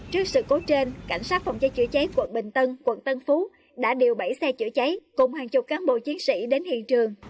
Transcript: trước sự cố trên cảnh sát phòng cháy chữa cháy quận bình tân quận tân phú đã điều bảy xe chữa cháy cùng hàng chục cán bộ chiến sĩ đến hiện trường